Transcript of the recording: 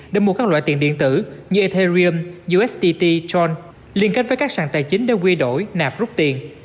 để mua các loại tiền điện tử như ethereum usdt tron liên kết với các sàn tài chính để quy đổi nạp rút tiền